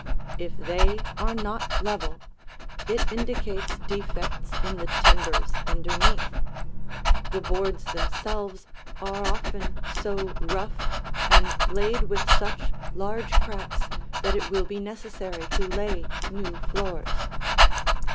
If they are not level, it indicates defects in the timbers underneath. The boards themselves are often so rough and laid with such large cracks that it will be necessary to lay new floors.